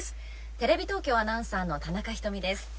テレビ東京アナウンサーの田中瞳です。